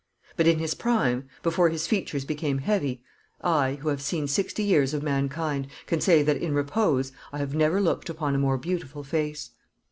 But in his prime, before his features became heavy, I, who have seen sixty years of mankind, can say that in repose I have never looked upon a more beautiful face.